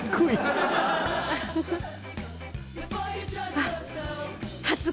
あっ。